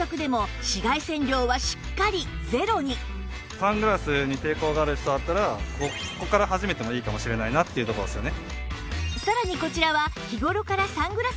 サングラスに抵抗がある人だったらここから始めてもいいかもしれないなっていうところですよね。